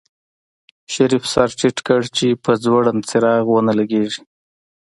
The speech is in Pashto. شريف سر ټيټ کړ چې په ځوړند څراغ ونه لګېږي.